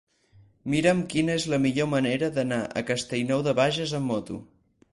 Mira'm quina és la millor manera d'anar a Castellnou de Bages amb moto.